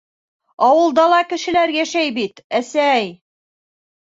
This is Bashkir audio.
Ауылда ла кешеләр йәшәй бит, әсәй?